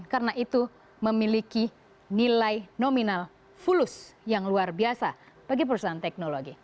karena itu memiliki nilai nominal fulus yang luar biasa bagi perusahaan teknologi